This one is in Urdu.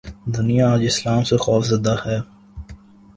: دنیا آج اسلام سے خوف زدہ ہے۔